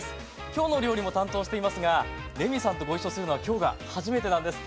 「きょうの料理」も担当していますがレミさんとご一緒するのは今日が初めてなんです。